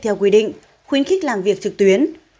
theo quy định khuyến khích làm việc trực tuyến